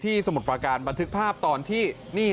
ที่สมุทรปาการร์บรันทึกภาพตอนที่